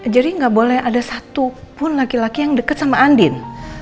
jadi nggak boleh ada satu pun laki laki yang deket sama andin